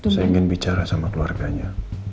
saya ingin bicara sama keluarganya